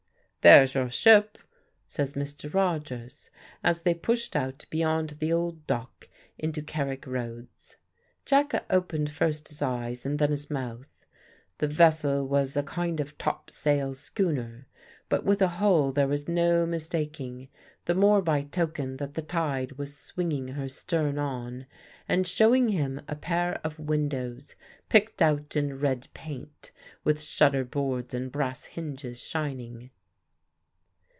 "There's your ship," says Mr. Rogers, as they pushed out beyond the old dock into Carrick Roads. Jacka opened first his eyes and then his mouth. The vessel was a kind of top sail schooner, but with a hull there was no mistaking, the more by token that the tide was swinging her stern on, and showing him a pair of windows picked out in red paint, with shutter boards and brass hinges shining.